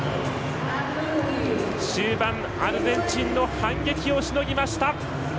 終盤、アルゼンチンの反撃をしのぎました。